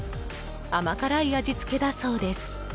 甘辛い味付けだそうです。